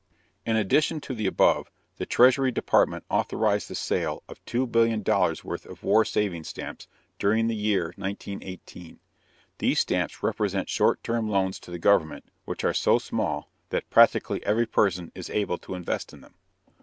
In addition to the above, the Treasury department authorized the sale of two billion dollars' worth of War Savings Stamps during the year 1918. These stamps represent short time loans to the government which are so small that practically every person is able to invest in them.